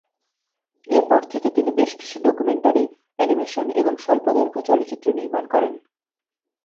এরপর থেকে তিনি বেশ কিছু ডকুমেন্টারি, অ্যানিমেশন এবং স্বল্পদৈর্ঘ্য চলচ্চিত্র নির্মাণ করেন।